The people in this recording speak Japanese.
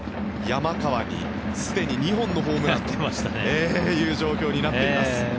山川にすでに２本のホームランという状況になっています。